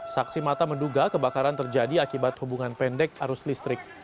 saksi mata menduga kebakaran terjadi akibat hubungan pendek arus listrik